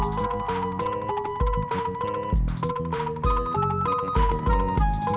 siz disini ikut aku gelas